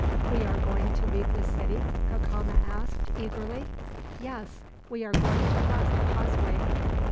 "We are going to leave the city?" Cacama asked, eagerly. "Yes, we are going to cross the causeway."